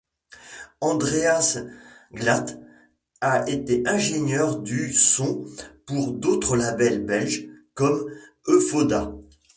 Andreas Glatt a été ingénieur du son pour d'autres labels belges, comme Eufoda.